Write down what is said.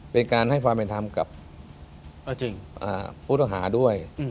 เป็นการให้ความเป็นธรรมกับผู้ต้องหาด้วย